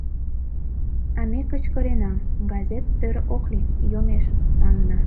А ме кычкырена: «Газет тӧр ок лий, йомеш», — манына.